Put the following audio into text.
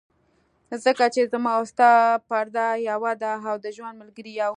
ځکه چې زما او ستا پرده یوه ده، او د ژوند ملګري یو.